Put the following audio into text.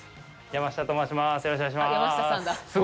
山下と申します。